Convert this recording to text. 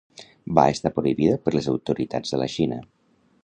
Va estar prohibida per les autoritats de la Xina.